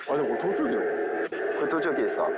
これ盗聴器ですか？